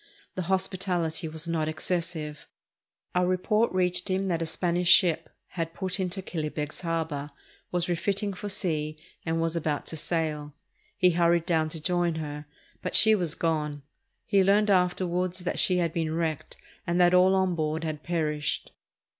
The hospitality was not excessive. A report reached him that a Spanish ship had put into Killybegs Harbor, was refitting for sea, and was about to sail. He hurried down to join her, but she was gone. He learned afterward that she had been wrecked and that all on board had perished.